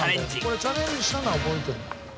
これチャレンジしたのは覚えてるの。